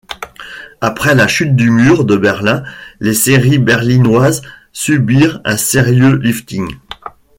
Après la Chute du Mur de Berlin, les séries berlinoises subirent un sérieux lifting.